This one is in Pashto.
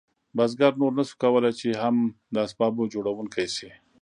بزګر نور نشو کولی چې هم د اسبابو جوړونکی شي.